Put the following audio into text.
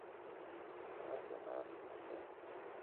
National Museum".